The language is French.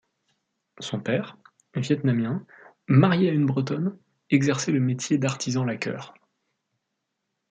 Son père, Vietnamien, marié à une Bretonne, exerçait le métier d’artisan laqueur.